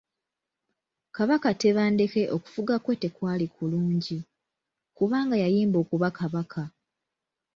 Kabaka Tebandeke okufuga kwe tekwali kulungi, kubanga yayimba okuba kabaka.